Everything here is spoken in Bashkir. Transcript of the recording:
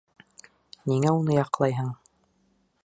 Ниңә уны яҡлайһың?